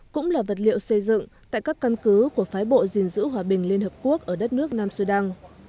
cũng là vật liệu xây dựng tại các căn cứ của phái bộ gìn giữ hòa bình liên hợp quốc ở đất nước nam sudan